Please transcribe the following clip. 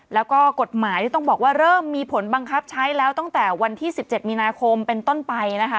แล้วก็กฎหมายที่ต้องบอกว่าเริ่มมีผลบังคับใช้แล้วตั้งแต่วันที่๑๗มีนาคมเป็นต้นไปนะคะ